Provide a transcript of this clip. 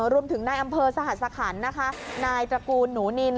รวมถึงนายอำเภอสหสคันนะคะนายตระกูลหนูนิน